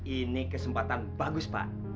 ini kesempatan bagus pak